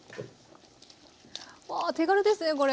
わあ手軽ですねこれ。